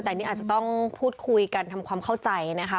แต่นี่อาจจะต้องพูดคุยกันทำความเข้าใจนะคะ